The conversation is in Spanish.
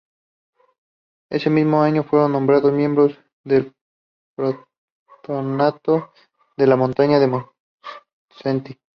Ese mismo año fue nombrado Miembro del Patronato de la Montaña del Montseny.